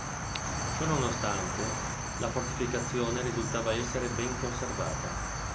Ciò nonostante, la fortificazione risultava essere ben conservata.